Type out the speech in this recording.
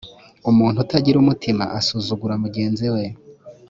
umuntu utagira umutima asuzugura mugenzi we